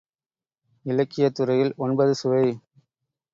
இலக்கியத் துறையில் ஒன்பது சுவை.